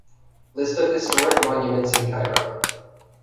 List of Historic Monuments in Cairo